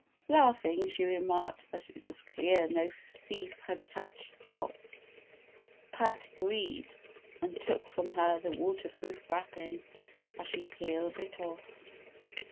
Laughing, she remarked that it was clear no thief had touched the box. Pat agreed, and took from her the waterproof wrapping as she peeled it off.